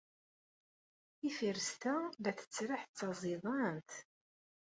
Tifirest-a la tettraḥ d taẓidant.